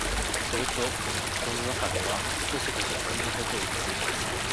すると戸の中では、こそこそこんなことを言っています